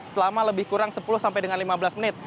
selama lebih kurang sepuluh sampai dengan lima belas menit